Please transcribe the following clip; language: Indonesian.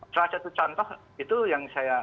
salah satu contoh itu yang saya